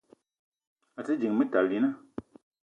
A te ding Metalina